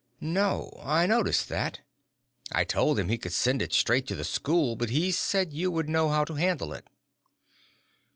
"No. I noticed that. I told him he could send it straight to the school, but he said you would know how to handle it."